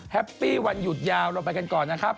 ปี้วันหยุดยาวเราไปกันก่อนนะครับ